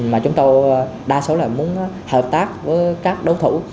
mà chúng tôi đa số là muốn hợp tác với các đối thủ